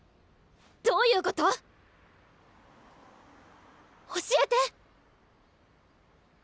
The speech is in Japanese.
どういうこと⁉教えて！